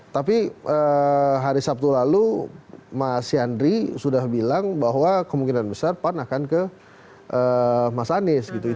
tapi hari sabtu lalu mas yandri sudah bilang bahwa kemungkinan besar pan akan ke mas anies